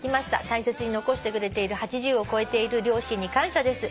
「大切に残してくれている８０を超えている両親に感謝です。